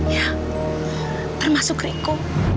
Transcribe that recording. ya termasuk riko